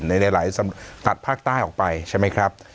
ในหลายตัดภาคใต้ออกไปใช่ไหมครับ